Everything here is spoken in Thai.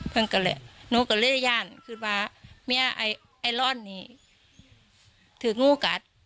ผมก็เลยหนูก็เลยย่านคือว่าแม่ไอรอดนี้ถือกงูกัด